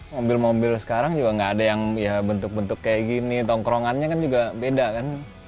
mobil mobil sekarang juga nggak ada yang ya bentuk bentuk kayak gini tongkrongannya kan juga beda kan